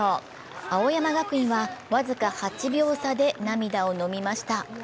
青山学院は僅か８秒差で涙を飲みました。